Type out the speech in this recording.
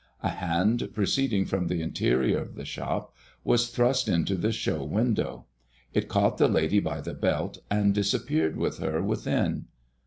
A hand proceeding from the interior of the shop was thrust into the show window; it caught the lady by the belt and disappeared with her within.